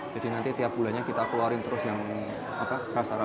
jadi nanti tiap bulannya kita keluarin terus yang rasa rasa baru